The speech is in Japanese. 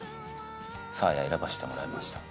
サーヤ選ばせてもらいました。